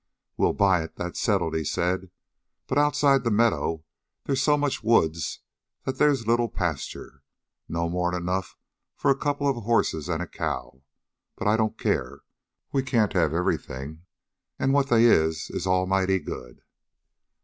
"We'll buy it that's settled," he said. "But outside the meadow, they's so much woods that they's little pasture not more 'n enough for a couple of horses an' a cow. But I don't care. We can't have everything, an' what they is is almighty good."